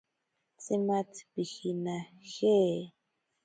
Tsimatzi pijina? ¿je?